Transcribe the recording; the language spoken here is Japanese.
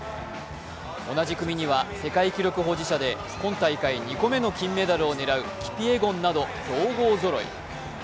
同じ組には世界記録保持者で今大会２個目の金メダルを狙うキピエゴンなど強豪ぞろい。